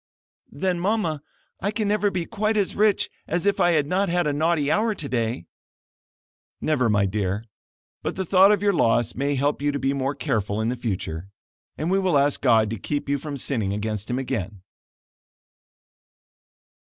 "Then, Mama, I can never be quite as rich as if I had not had a naughty hour today." "Never, my dear; but the thought of your loss may help you to be more careful in the future, and we will ask God to keep you from sinning against him again."